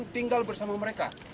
mereka tinggal bersama mereka